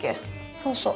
そうそう。